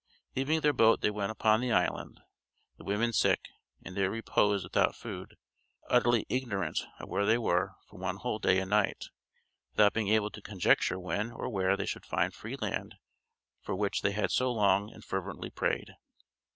Leaving their boat they went upon the island, the women sick, and there reposed without food, utterly ignorant of where they were for one whole day and night, without being able to conjecture when or where they should find free land for which they had so long and fervently prayed.